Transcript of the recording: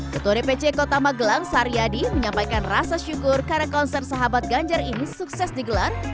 ketua dpc kota magelang saryadi menyampaikan rasa syukur karena konser sahabat ganjar ini sukses digelar